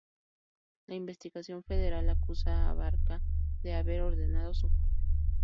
La investigación federal acusa a Abarca de haber ordenado su muerte.